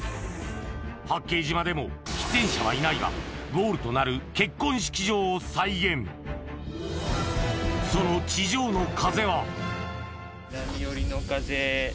八景島でも出演者はいないがゴールとなる結婚式場を再現その地上の風は？